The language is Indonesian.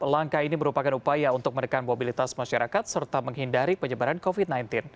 langkah ini merupakan upaya untuk menekan mobilitas masyarakat serta menghindari penyebaran covid sembilan belas